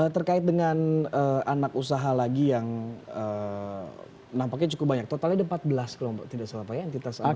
terkait dengan anak usaha lagi yang nampaknya cukup banyak totalnya ada empat belas kelompok tidak salah pak ya entitas anak